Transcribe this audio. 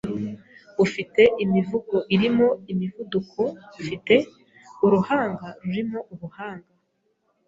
Ufite imivugo irimo imivuduko Ufite uruhanga rurimo ubuhanga